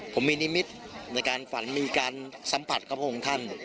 ผมมีนิมิตรในการฝันมีการสัมผัสกับพระองค์ท่าน